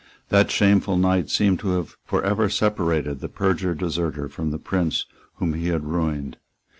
That shameful night seemed to have for ever separated the perjured deserter from the Prince whom he had ruined.